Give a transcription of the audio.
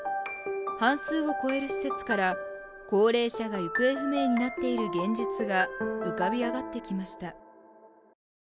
半数を超える施設から高齢者が行方不明になっている現実が浮かび上がってきました。